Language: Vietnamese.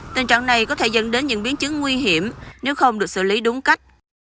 tình trạng này có thể dẫn đến những biến chứng nguy hiểm nếu không được xử lý đúng cách